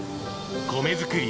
米作り